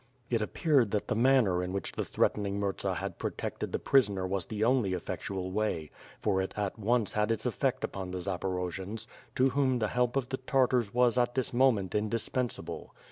It appeared that the manner in which the threatening Murza had protected the prisoner was the only effectual way, for it at once had its effect upon the Zaporojians, to whom the help of the Tartars was at this moment indispensable.